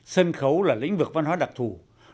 sân khấu là lĩnh vực văn hóa đặc thù